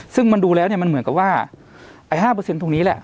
ซึ่งมันดูแล้วเหมือนกับว่า๕ทุกนี้แหละ